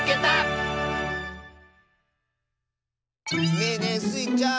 ねえねえスイちゃん